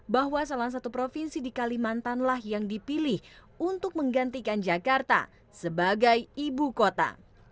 bahwa salah satu provinsi di kalimantan lah yang dipilih untuk menggantikan jakarta sebagai ibu kota